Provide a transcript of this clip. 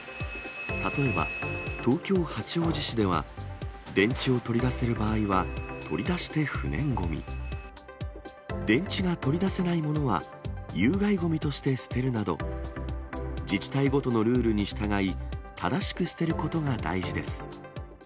例えば東京・八王子市では、電池を取り出せる場合は取り出して不燃ごみ、電池が取り出せないものは有害ごみとして捨てるなど、自治体ごとのルールに従い、正しく捨てることが大事です。